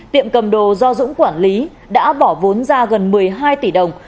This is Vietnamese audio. tiệm cầm đồ do dũng quản lý đã bỏ vốn ra gần một mươi hai tỷ đồng